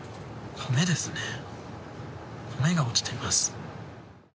米が落ちています。